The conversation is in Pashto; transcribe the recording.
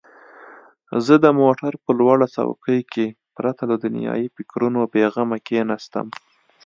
زه د موټر په لوړ څوکۍ کې پرته له دنیايي فکرونو بېغمه کښېناستم.